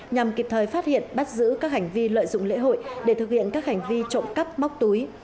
nhằm kịp thời phát hiện bắt giữ các hành vi lợi dụng lễ hội để thực hiện các hành vi trộm cắp móc túi